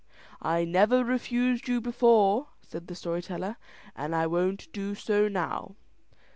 "I never refused you before," said the story teller, "and I won't do so now."